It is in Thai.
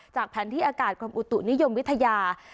แผนที่อากาศกรมอุตุนิยมวิทยา